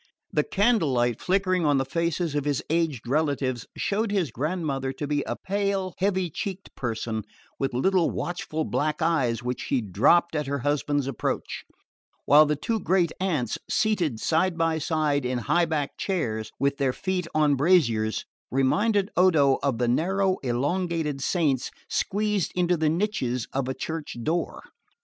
The candle light flickering on the faces of his aged relatives showed his grandmother to be a pale heavy cheeked person with little watchful black eyes which she dropped at her husband's approach; while the two great aunts, seated side by side in high backed chairs with their feet on braziers, reminded Odo of the narrow elongated saints squeezed into the niches of a church door.